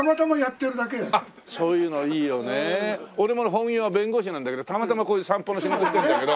本業は弁護士なんだけどたまたまこういう散歩の仕事してるんだけど。